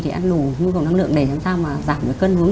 thì ăn đủ nhu cầu năng lượng để chúng ta mà giảm được cân hướng